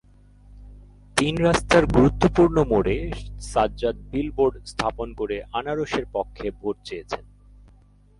তিন রাস্তার গুরুত্বপূর্ণ মোড়ে সাজ্জাদ বিলবোর্ড স্থাপন করে আনারসের পক্ষে ভোট চেয়েছেন।